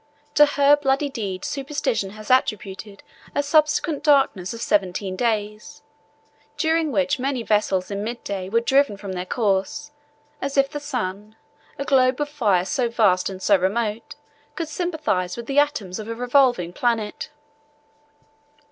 To her bloody deed superstition has attributed a subsequent darkness of seventeen days; during which many vessels in midday were driven from their course, as if the sun, a globe of fire so vast and so remote, could sympathize with the atoms of a revolving planet.